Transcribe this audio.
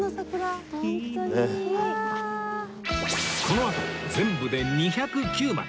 このあと全部で２０９枚